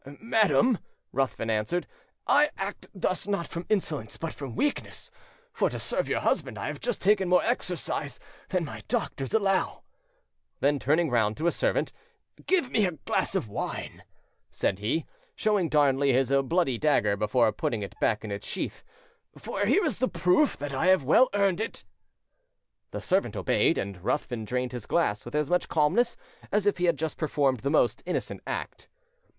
"Madam," Ruthven answered, "I act thus not from insolence, but from weakness; for, to serve your husband, I have just taken more exercise than my doctors allow". Then turning round to a servant, "Give me a glass of wine," said he, showing Darnley his bloody dagger before putting it back in its sheath, "for here is the proof that I have well earned it". The servant obeyed, and Ruthven drained his glass with as much calmness as if he had just performed the most innocent act.